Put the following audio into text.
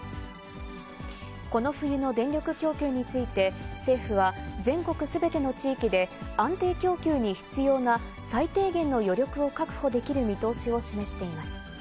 この冬の電力供給について、政府は、全国すべての地域で、安定供給に必要な最低限の余力を確保できる見通しを示しています。